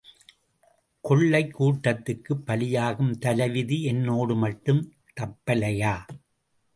கொள்ளைக் கூட்டத்துக்குப் பலியாகும் தலைவிதி என்னோடு மட்டும் தப்பலையா?